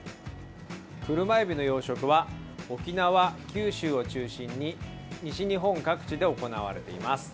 クルマエビの養殖は沖縄、九州を中心に西日本各地で行われています。